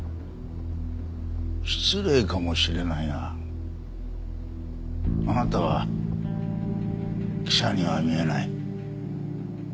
失礼かもしれないがあなたは記者には見えない。